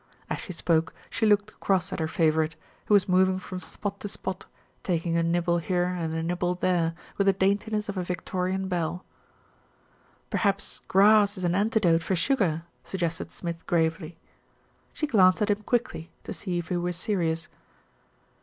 As she spoke she looked across at her favourite, who was moving from spot to spot, taking a nibble here and a nibble there, with the daintiness of a Victorian belle. "Perhaps grass is an antidote for sugar," suggested Smith gravely. She glanced at him quickly, to see if he were serious.